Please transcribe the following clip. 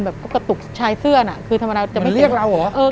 แบบก็กระตุกชายเสื้อน่ะคือธรรมดาจะไม่มันเรียกเราเหรอเออ